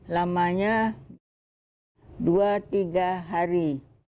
lamanya dua tiga hari